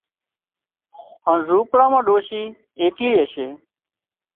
هانَ زونپڙا مان ڏوشِي ايڪلي هشي